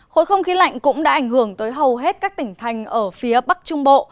khối không khí lạnh cũng đã ảnh hưởng tới hầu hết các tỉnh thành ở phía bắc trung bộ